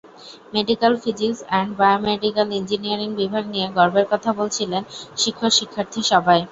Medical physics and biomedical engineering বিভাগ নিয়ে গর্বের কথা বলছিলেন শিক্ষক-শিক্ষার্থী সবাই।